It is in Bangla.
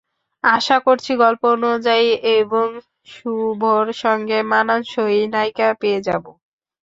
আশা করছি, গল্প অনুযায়ী এবং শুভর সঙ্গে মানানসই নায়িকা পেয়ে যাব।